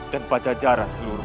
dan pajajaran seluruhnya